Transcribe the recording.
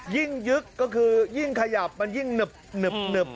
ยึกก็คือยิ่งขยับมันยิ่งหนึบ